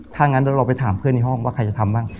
ถ้างั้นเราไปถามเพื่อนในห้องว่าใครจะทำบ้าง